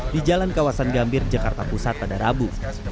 di jalan kawasan gambir jakarta pusat pada rabu